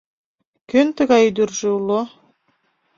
Кӧн тыгай ӱдыржӧ уло?